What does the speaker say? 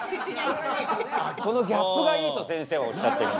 このギャップがいいとせんせいはおっしゃってる。